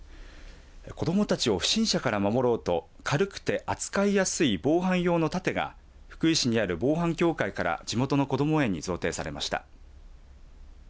子どもたちを不審者から守ろうと軽くて扱いやすい防犯用の盾が福井市にある防犯協会から地元のこども園に贈呈されました。